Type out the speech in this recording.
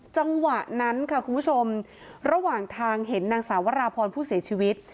จังหวะนั้นค่ะคุณผู้ชมระหว่างทางเห็นนางสาววราพรผู้เสียชีวิต